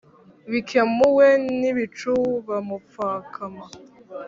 bikemuwe n'ibicu, bapfukama